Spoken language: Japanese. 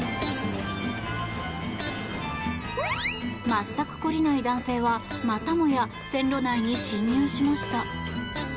全く懲りない男性はまたもや線路内に侵入しました。